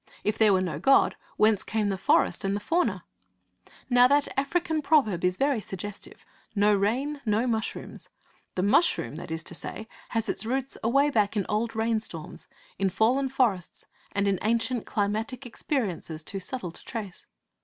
If there were no God, whence came the forest and the fauna? Now that African proverb is very suggestive. 'No rain, no mushrooms.' The mushroom, that is to say, has its roots away back in old rainstorms, in fallen forests, and in ancient climatic experiences too subtle to trace.